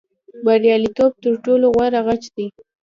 بریالیتوب تر ټولو غوره غچ دی.